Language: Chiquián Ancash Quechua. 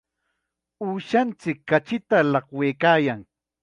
Uushanchik kachita llaqwaykaayan.